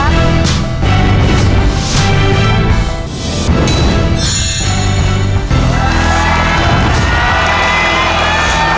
ตอบให้ได้